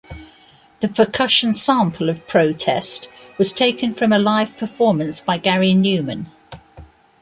The percussion sample of "Pro-Test" was taken from a live performance by Gary Numan.